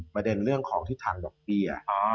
ประเด็นเรื่องของทิศทางดอกเบี้ย